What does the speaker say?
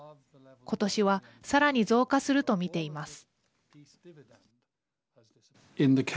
今年はさらに増加すると見ています。